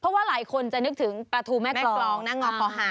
เพราะว่าหลายคนจะนึกถึงปลาทูแม่กรองแม่กรองนั่งออกขอหาก